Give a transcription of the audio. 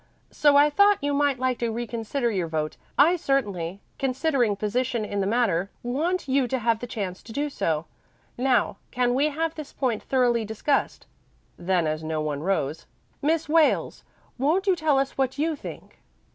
So I thought you might like to reconsider your vote. I certainly, considering position in the matter, want you to have the chance to do so. Now, can we have this point thoroughly discussed?" Then, as no one rose, "Miss Wales, won't you tell us what you think?"